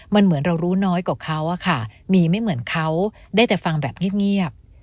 มันเหมือนเรารู้น้อยกว่าเขาอะค่ะมีไม่เหมือนเขาได้แต่ฟังแบบเงียบ